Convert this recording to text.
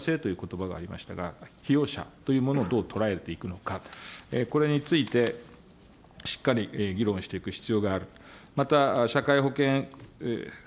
したがって、今のフリーランス、そして先ほど、被用者性ということばがありましたが、被用者というものをどう捉えていくのか、これについて、しっかり議論していく必要があると。